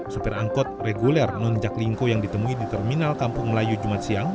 supir angkot reguler non jaklingko yang ditemui di terminal kampung melayu jumat siang